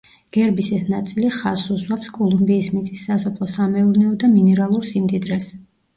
გერბის ეს ნაწილი ხაზს უსვამს კოლუმბიის მიწის სასოფლო-სამეურნეო და მინერალურ სიმდიდრეს.